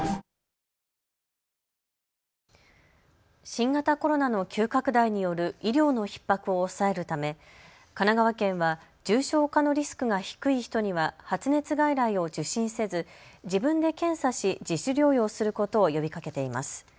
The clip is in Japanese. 新型コロナの急拡大による医療のひっ迫を抑えるため神奈川県は重症化のリスクが低い人には発熱外来を受診せず自分で検査し自主療養することを呼びかけています。